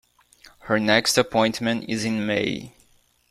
Her next appointment is in May.